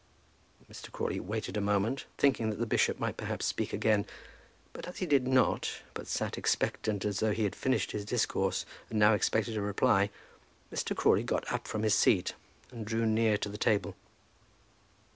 Mr. Crawley waited a moment, thinking that the bishop might perhaps speak again; but as he did not, but sat expectant as though he had finished his discourse, and now expected a reply, Mr. Crawley got up from his seat and drew near to the table.